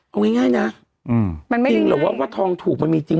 เอาง่ายง่ายน่ะอืมมันไม่ได้ง่ายจริงหรือว่าว่าทองถูกมันมีจริง